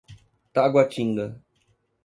Taguatinga